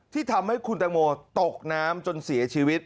ที่ทำให้คุณตังโมตกน้ำจนเสียชีวิต